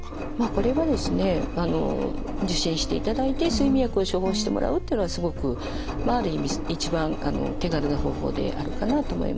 これはですね受診していただいて睡眠薬を処方してもらうっていうのがすごくまあある意味一番手軽な方法であるかなと思います。